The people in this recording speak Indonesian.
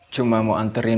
cuma mau anterin